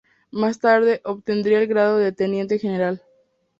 Más tarde obtendría el grado de teniente general.